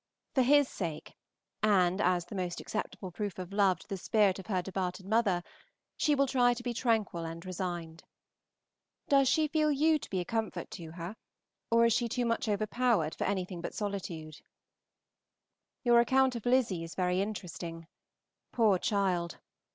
For his sake, and as the most acceptable proof of love to the spirit of her departed mother, she will try to be tranquil and resigned. Does she feel you to be a comfort to her, or is she too much overpowered for anything but solitude? Your account of Lizzy is very interesting. Poor child!